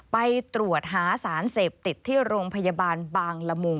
ไปตรวจหาสารเสพติดที่โรงพยาบาลบางละมุง